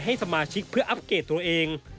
ให้สมาชิกเพื่ออัปเกตตัวเอง